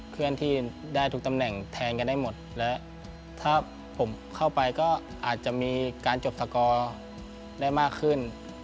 เพื่อนที่ได้ทุกตำแหน่งแทนกันได้หมดและถ้าผมเข้าไปก็อาจจะมีการจบสกอร์ได้มากขึ้น